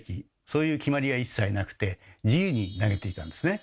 そういう決まりは一切なくて自由に投げていたんですね。